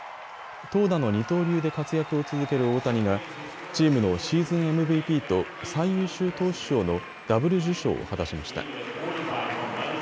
投打の二刀流で活躍を続ける大谷がチームのシーズンＭＶＰと最優秀投手賞のダブル受賞を果たしました。